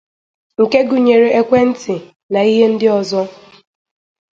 nke gụnyere ekwentị na ihe ndị ọzọ.